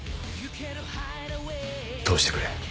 通してくれ。